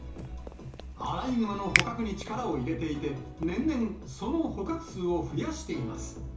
アライグマの捕獲に力を入れていて、年々、その捕獲数を増やしています。